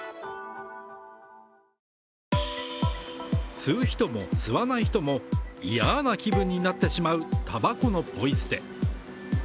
吸う人も吸わない人も嫌な気分になってしまうたばこのポイ捨て。